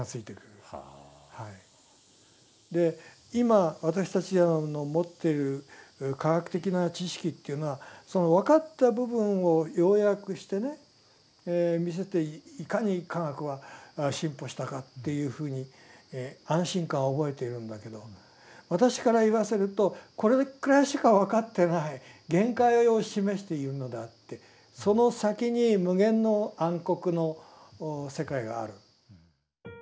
で今私たちが持っている科学的な知識というのはその分かった部分を要約してね見せていかに科学は進歩したかっていうふうに安心感を覚えているんだけど私から言わせるとこれくらいしか分かってない限界を示しているのであってその先に無限の暗黒の世界がある。